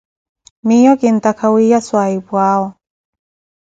Miiyo kinttaka wiiya swahipwa awo.